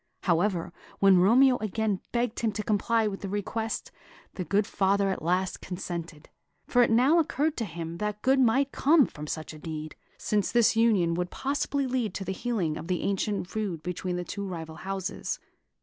However, when Romeo again begged him to comply with his request, the good father at last consented; for it now occurred to him that good might come of such a deed, since this union possibly would lead to the healing of the ancient feud between the two rival houses.